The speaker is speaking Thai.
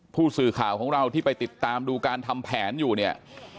ผู้สื่อข่าวของเราที่ไปติดตามดูการทำแผนอยู่เนี่ย